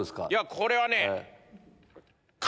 これはね。